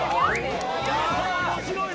面白い！